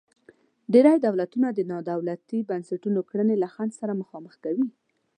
ډیری دولتونه د نا دولتي بنسټونو کړنې خنډ سره مخامخ کوي.